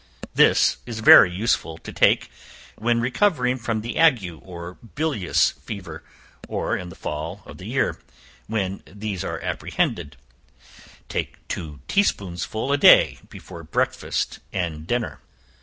This is very useful to take, when recovering from the ague or bilious fever, or in the fall of the year; when these are apprehended, take two tea spoonsful a day, before breakfast and dinner.